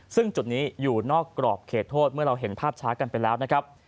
ซึ่งจุดนี้อยู่นอกกรอบเขตโทษเมื่อเราเห็นภาพช้ากันไปแล้วนะครับ